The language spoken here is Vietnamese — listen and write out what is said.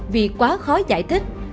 vì quá khó giải thích